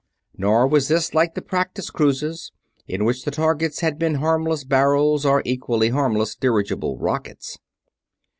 Nor was this like the practice cruises, in which the targets had been harmless barrels or equally harmless dirigible rockets.